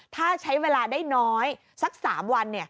ถ้าใช้เวลาได้น้อยสัก๓วัน